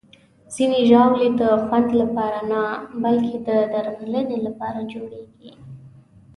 ځینې ژاولې د خوند لپاره نه، بلکې د درملنې لپاره جوړېږي.